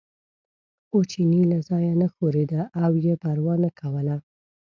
خو چیني له ځایه نه ښورېده او یې پروا نه کوله.